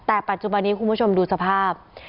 แต่ปัจจุบันนี้คุณผู้ชมดูสภาพ